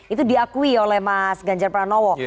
itu diakui oleh mas ganjar pranowo